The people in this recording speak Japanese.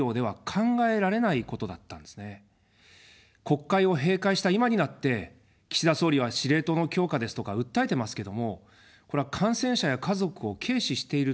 国会を閉会した今になって、岸田総理は司令塔の強化ですとか訴えてますけども、これは感染者や家族を軽視していると言わざるを得ません。